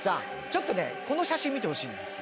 ちょっとねこの写真見てほしいんです。